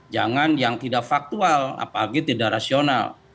jangan yang tidak faktual apalagi tidak rasional